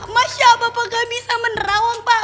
masa bapak gak bisa menerawang pak